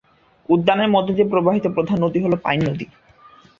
উদ্যানের মধ্য দিয়ে প্রবাহিত প্রধান নদী হল পাইন নদী।